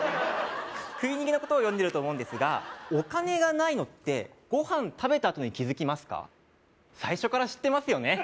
食い逃げのことを詠んでると思うんですがお金がないのってごはん食べたあとに気づきますか最初から知ってますよね